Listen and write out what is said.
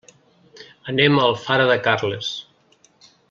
Anem a Alfara de Carles.